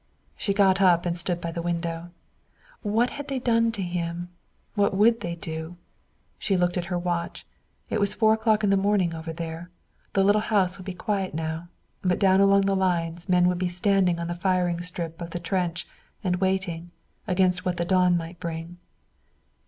She got up and stood by the window. What had they done to him? What would they do? She looked at her watch. It was four o'clock in the morning over there. The little house would be quiet now, but down along the lines men would be standing on the firing step of the trench, and waiting, against what the dawn might bring.